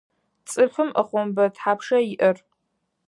Цӏыфым ӏэхъомбэ тхьапша иӏэр?